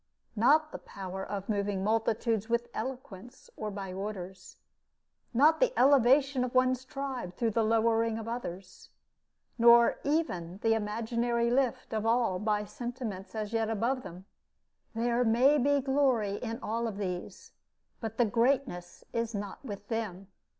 Not the power of moving multitudes with eloquence or by orders; not the elevation of one tribe through the lowering of others, nor even the imaginary lift of all by sentiments as yet above them: there may be glory in all of these, but the greatness is not with them.